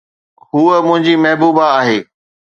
ھوءَ منھنجي محبوبا آھي.